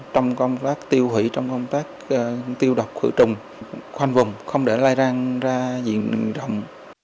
trong công tác tiêu hủy trong công tác tiêu độc khử trùng khoanh vùng không để lây lan ra diện rộng